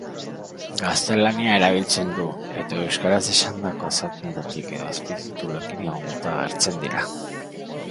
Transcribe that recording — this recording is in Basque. Gaztelania erabiltzen du, eta euskaraz esandakoak azalpenekin edo azpitituluekin lagunduta agertzen dira.